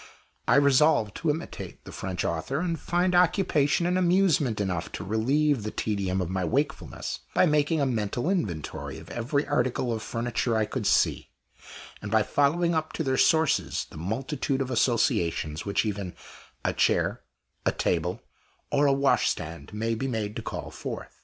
I resolved to imitate the French author, and find occupation and amusement enough to relieve the tedium of my wakefulness, by making a mental inventory of every article of furniture I could see, and by following up to their sources the multitude of associations which even a chair, a table, or a wash hand stand may be made to call forth.